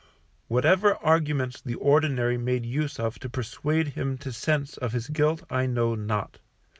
Whatever arguments the Ordinary made use of to persuade him to sense of his guilt I know not.